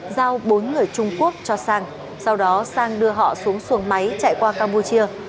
giao bốn người trung quốc cho sang sau đó sang đưa họ xuống xuồng máy chạy qua campuchia